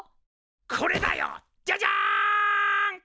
これだよジャジャン！